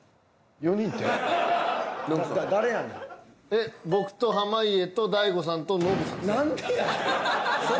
えっ僕と濱家と大悟さんとノブさんです。